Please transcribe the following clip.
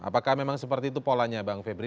apakah memang seperti itu polanya bang febri